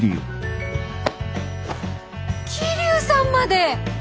桐生さんまで！